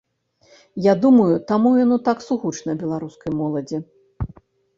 Я думаю, таму яно так сугучна беларускай моладзі.